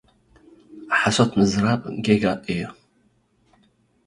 ሓሶት ምዝራብ ጌጋ እዩ።